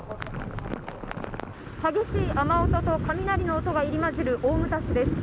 激しい雨音と雷の音が入り混じる大牟田市です。